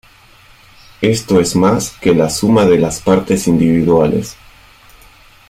Esto es más que la suma de las partes individuales.